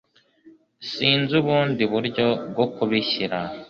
Sinzi ubundi buryo bwo kubishyira